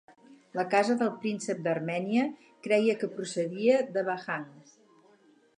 La casa del príncep d"Armènia creia que procedia de Vahagn.